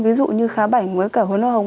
ví dụ như khá bảnh với cả huấn hoa hồng